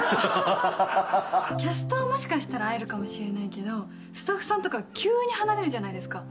キャストはもしかしたら会えるかもしれないけど、スタッフさんとか急に離れるじゃないですか。